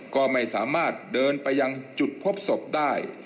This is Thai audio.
ก็ไม่สามารถเดินไปยังจุดพบศพได้